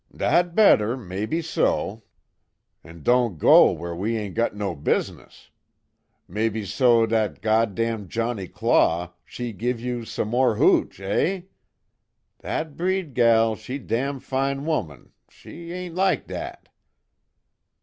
"Dat better, mebbe so, we don' go w'ere we ain' got no business. Mebbe so dat Godam Johnnie Claw, she giv' you som' mor' hooch, eh? Dat breed gal she dam' fine 'oman she ain' lak dat."